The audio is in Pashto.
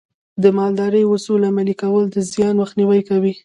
د مالدارۍ اصول عملي کول د زیان مخنیوی کوي.